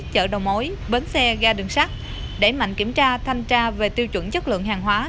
chợ đầu mối bến xe ga đường sắt đẩy mạnh kiểm tra thanh tra về tiêu chuẩn chất lượng hàng hóa